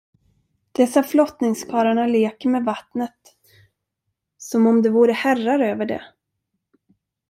Dessa flottningskarlarna leker med vattnet, som om de vore herrar över det.